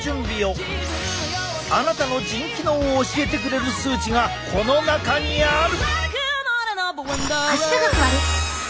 あなたの腎機能を教えてくれる数値がこの中にある！